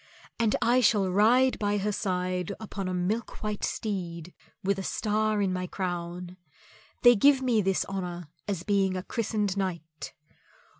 And I shall ride by her side upon a milk white steed with a star in my crown; they give me this honour as being a christened knight.